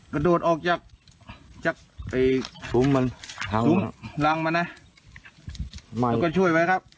กระโดดออกจากจากไปทุ่มมันทุ่มรังมันนะมันก็ช่วยไว้ครับ